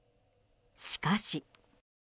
しかし。